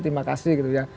terima kasih gitu ya